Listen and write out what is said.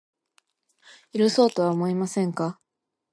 許そうとは思いませんか